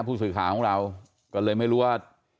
ผู้สื่อข่าวของเราก็เลยไม่รู้ว่า